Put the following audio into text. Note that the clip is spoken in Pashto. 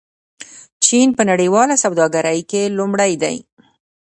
چین په نړیواله سوداګرۍ کې لومړی دی.